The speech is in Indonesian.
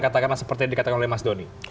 katakanlah seperti yang dikatakan oleh mas doni